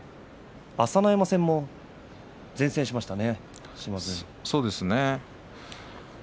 朝乃山戦も善戦しましたね。